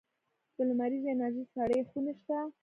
د لمریزې انرژۍ سړې خونې شته؟